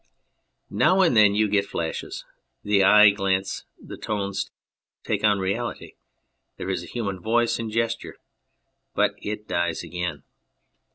Now and then you get flashes ; the eyes glance, the tones take on reality, there is a human voice and gesture, but it dies again.